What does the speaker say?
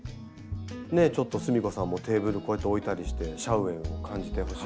ねえちょっとすみこさんもテーブルこうやって置いたりしてシャウエンを感じてほしいですね。